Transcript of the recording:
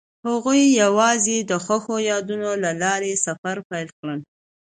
هغوی یوځای د خوښ یادونه له لارې سفر پیل کړ.